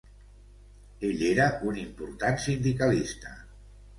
Ell era un important sindicalista.